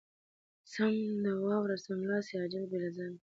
سم د واره= سملاسې، عاجل، بې له ځنډه.